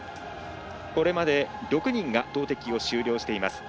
これまで、６人が投てきを終了しています。